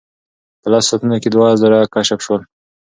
په لسو ساعتونو کې دوه زره کشف شول.